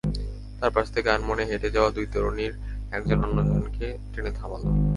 তাঁর পাশ থেকে আনমনে হেঁটে যাওয়া দুই তরুণীর একজন অন্যজনকে টেনে থামাল।